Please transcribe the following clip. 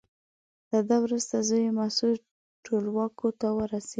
له ده وروسته زوی یې مسعود ټولواکۍ ته ورسېد.